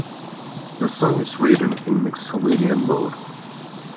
The song is written in Mixolydian mode.